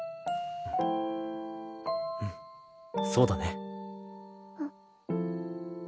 うんそうだね。